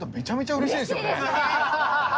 うれしいですね！